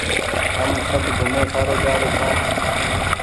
هم سب گھومي سآرو جآري ڇآن